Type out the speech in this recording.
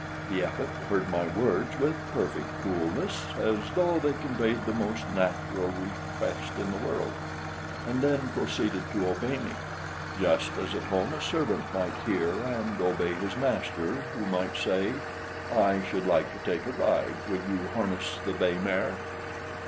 The Epet heard my words with perfect coolness, as though they conveyed the most natural request in the world, and then proceeded to obey me, just as at home a servant might hear and obey his master, who might say, "I should like to take a ride; will you harness the bay mare?"